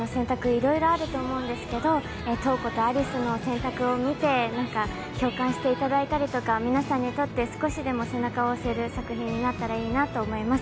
いろいろあると思うんですが、瞳子と有栖の選択を見て、共感していただいたりとか皆さんにとって少しでも背中を押せる作品になったらいいなと思います。